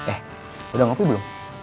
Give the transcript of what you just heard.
eh udah ngopi belum